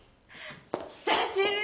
久しぶり！